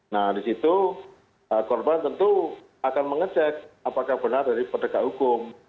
nah di situ korban tentu akan mengecek apakah benar dari pendegak hukum